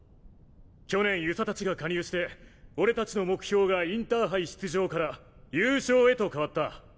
去年遊佐達が加入して俺達の目標がインターハイ出場から優勝へと変わった。